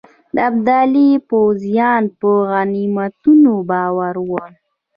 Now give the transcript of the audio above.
د ابدالي پوځیان په غنیمتونو بار وه.